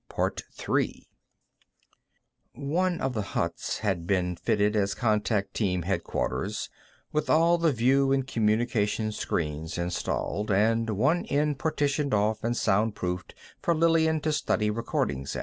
One of the huts had been fitted as contact team headquarters, with all the view and communication screens installed, and one end partitioned off and soundproofed for Lillian to study recordings in.